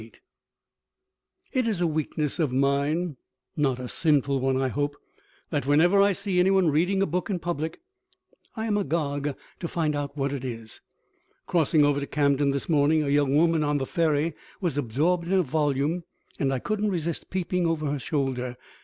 II It is a weakness of mine not a sinful one, I hope that whenever I see any one reading a book in public I am agog to find out what it is. Crossing over to Camden this morning a young woman on the ferry was absorbed in a volume, and I couldn't resist peeping over her shoulder.